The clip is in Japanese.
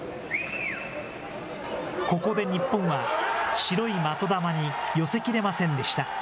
ここで日本は、白い的球に寄せきれませんでした。